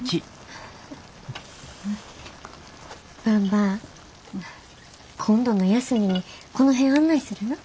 ばんば今度の休みにこの辺案内するな。